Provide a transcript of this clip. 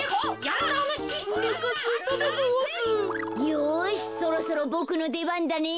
よしそろそろボクのでばんだね。